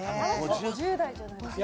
５０代じゃないですか？